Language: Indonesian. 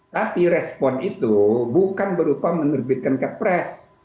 tapi respon itu bukan berupa menerbitkan ke pres